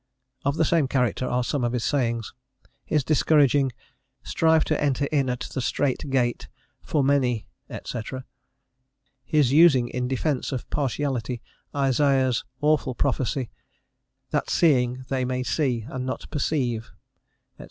Of the same character are some of his sayings: his discouraging "Strive to enter in at the strait gate, for many," etc.; his using in defence of partiality Isaiah's awful prophecy, "that seeing they may see and not perceive," etc.